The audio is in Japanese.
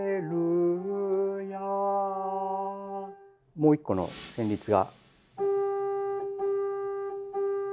もう一個の旋律が。